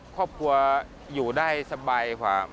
ครอบครัวอยู่ได้สบายกว่า